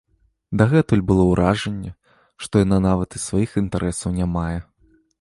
Дагэтуль было ўражанне, што яна нават і сваіх інтарэсаў не мае.